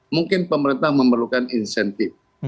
mungkin pemerintah memerlukan insentif